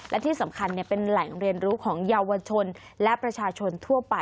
และที่สำคัญเป็นแหล่งเรียนรู้ของเยาวชนและประชาชนทั่วไป